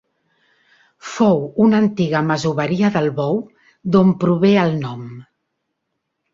Fou una antiga masoveria del Bou d'on prové el nom.